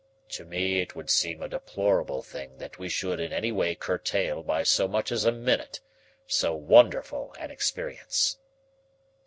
To me it would seem a deplorable thing that we should in any way curtail by so much as a minute so wonderful an experience."